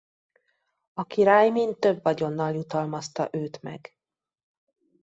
A király mind több vagyonnal jutalmazta őt meg.